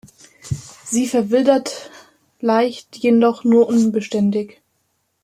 Sie verwildert leicht, jedoch nur unbeständig.